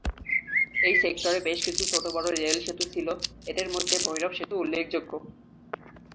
এই সেক্টরে বেশ কিছু ছোট-বড় রেলসেতু ছিল, এদের মধ্যে ভৈরব সেতু উল্লেখযোগ্য।